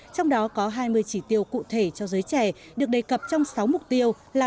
trong đó có hai mươi chỉ tiêu cụ thể cho giới trẻ được đề cập trong sáu mục tiêu là